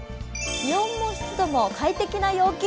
気温も湿度も快適な陽気。